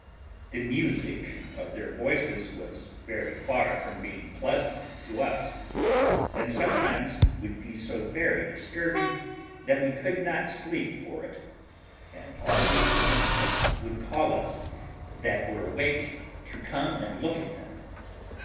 The music of their voices was very far from being pleasant to us, and sometimes would be so very disturbing that we could not sleep for it; and often our sentinels would call us that were awake to come and look at them.